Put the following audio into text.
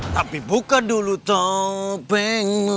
tapi buka dulu topengnya